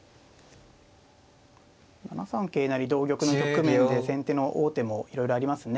７三桂成同玉の局面で先手の王手もいろいろありますね。